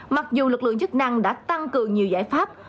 mặc dù lực lượng chức năng đã tăng cường nhiều giải pháp